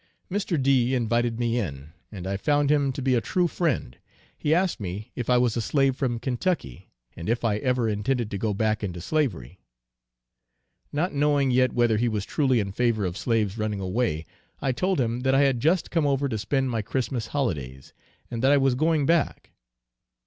Mr. D. invited me in, and I found him to be a true friend. He asked me if I was a slave from Kentucky, and if I ever intended to go back into slavery? Not knowing yet whether he was truly in favor of slaves running away, I told him that I had just come over to spend my christmas holydays, and that I was going back.